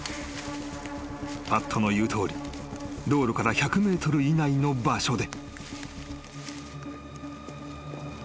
［パットの言うとおり道路から１００ｍ以内の場所で］